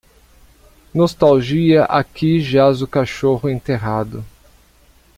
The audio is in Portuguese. nostalgia Aqui jaz o cachorro enterrado